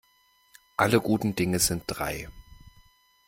Alle guten Dinge sind drei.